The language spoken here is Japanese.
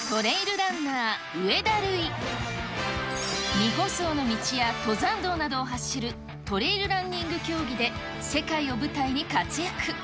未舗装の道や登山道などを走る、トレイルランニング競技で、世界を舞台に活躍。